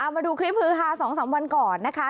มาดูคลิปฮือฮา๒๓วันก่อนนะคะ